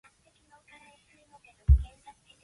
Stachura spent the first eleven years of his life in France.